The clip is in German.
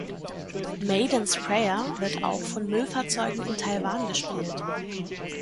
„Maiden's Prayer“ wird auch von Müllfahrzeugen in Taiwan gespielt.